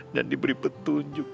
dan diberi petunjuk